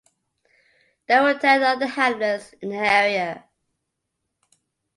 There were ten other hamlets in the area.